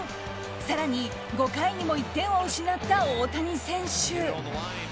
更に５回にも１点を失った大谷選手。